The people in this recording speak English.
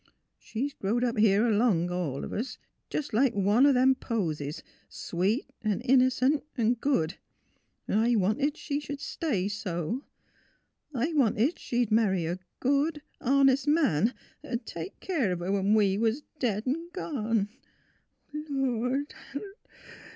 She 's growed up here along of us, jes' like one o' them posies, sweet an' innercent an' good. I wanted she sh'd stay so. I wanted she sh'd marry a good, honest man, 'at 'd take keer of her when we was dead 'n' gone. ... Lord! Lord!